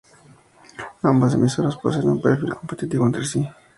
Ambas emisoras poseen un perfil competitivo entre sí.